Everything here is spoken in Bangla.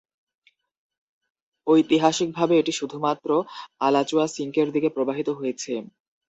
ঐতিহাসিকভাবে এটি শুধুমাত্র আলাচুয়া সিঙ্কের দিকে প্রবাহিত হয়েছে।